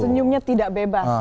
senyumnya tidak bebas ya